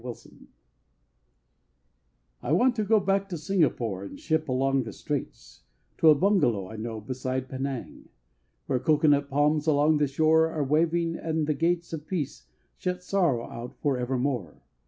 PENANG I want to go back to Singapore And ship along the Straits, To a bungalow I know beside Penang; Where cocoanut palms along the shore Are waving, and the gates Of Peace shut Sorrow out forevermore.